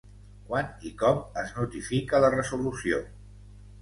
Quan i com es notifica la resolució?